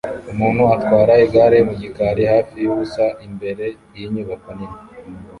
Umuntu atwara igare mu gikari hafi yubusa imbere yinyubako nini